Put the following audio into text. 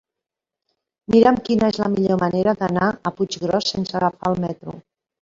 Mira'm quina és la millor manera d'anar a Puiggròs sense agafar el metro.